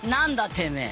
てめえ